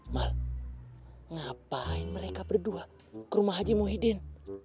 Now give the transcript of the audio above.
mal ngapain mereka berdua ke rumah haji muhyiddin